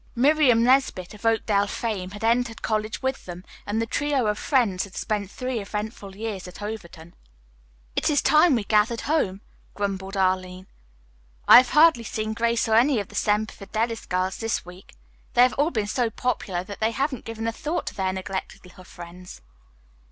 Miriam Nesbit, of Oakdale fame, had entered college with them, and the trio of friends had spent three eventful years at Overton. "It is time we gathered home," grumbled Arline. "I have hardly seen Grace or any of the Semper Fidelis girls this week. They have all been so popular that they haven't given a thought to their neglected little friends."